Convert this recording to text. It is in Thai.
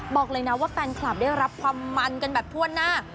บอกเลยนะว่าแฟนคลับได้รับความมันกันแบบทั่วหน้า